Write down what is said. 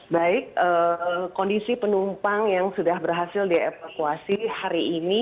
baik kondisi penumpang yang sudah berhasil dievakuasi hari ini